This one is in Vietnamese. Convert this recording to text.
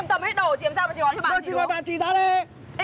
em tầm hết đồ chị em ra